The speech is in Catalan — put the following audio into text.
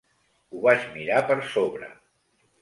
Ho vaig mirar per sobre.